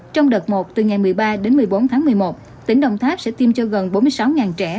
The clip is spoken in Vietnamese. trong đợt một từ ngày một mươi ba đến một mươi bốn tháng một mươi một tỉnh đồng tháp sẽ tiêm cho gần bốn mươi sáu trẻ